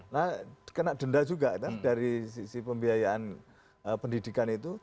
nah kena denda juga kan dari sisi pembiayaan pendidikan itu